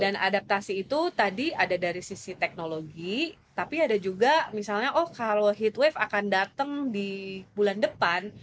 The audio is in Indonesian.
dan adaptasi itu tadi ada dari sisi teknologi tapi ada juga misalnya oh kalau heatwave akan datang di bulan depan